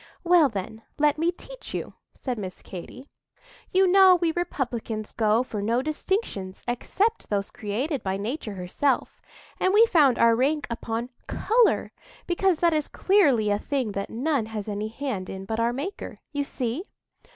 "Well, then, let me teach you," said Miss Katy. "You know we republicans go for no distinctions except those created by Nature herself, and we found our rank upon colour, because that is clearly a thing that none has any hand in but our Maker. You see?"